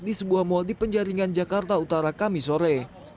di sebuah mal di penjaringan jakarta utara kami sore